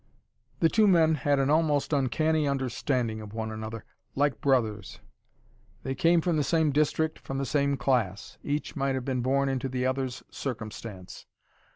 The two men had an almost uncanny understanding of one another like brothers. They came from the same district, from the same class. Each might have been born into the other's circumstance.